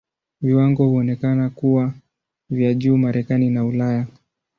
Viwango huonekana kuwa vya juu Marekani na Ulaya.